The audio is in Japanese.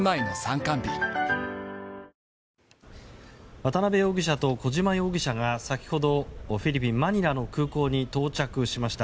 渡邉容疑者と小島容疑者が先ほど、フィリピン・マニラの空港に到着しました。